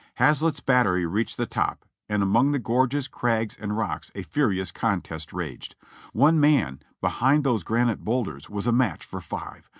Hazlett's battery reached the top, and among the gorges, crags, and rocks a furious contest raged. One man behind those granite boulders was a match for five.